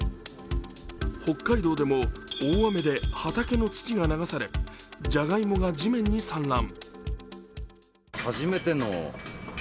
北海道でも大雨で畑の土が流され、じゃがいもが地面に散乱。